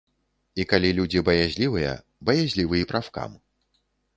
І калі людзі баязлівыя, баязлівы і прафкам.